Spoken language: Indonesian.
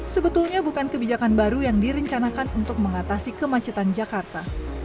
sebetulnya bukan kebijakan baru yang direncanakan untuk mengatasi kemacetan jakarta